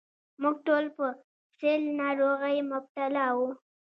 موږ ټول په سِل ناروغۍ مبتلا وو.